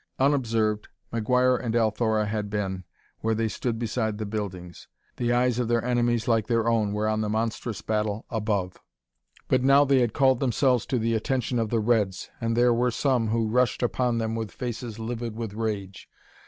Unobserved, McGuire and Althora had been, where they stood beside the buildings: the eyes of their enemies, like their own, were on the monstrous battle above. But now they had called themselves to the attention of the reds, and there were some who rushed upon them with faces livid with rage.